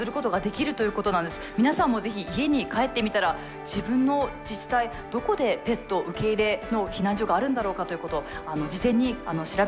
皆さんもぜひ家に帰ってみたら自分の自治体どこでペット受け入れの避難所があるんだろうかということを事前に調べてみて下さい。